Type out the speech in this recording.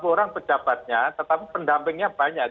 empat puluh orang pejabatnya tetapi pendampingnya banyak